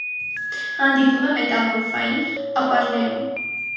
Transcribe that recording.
Հանդիպում է մետամորֆային ապարներում։